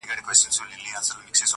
مخ ځيني واړوه ته.